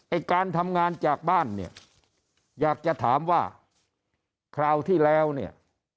การทำงานจากบ้านเนี่ยอยากจะถามว่าคราวที่แล้วเนี่ย